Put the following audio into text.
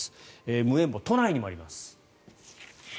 無縁墓は都内にもあります。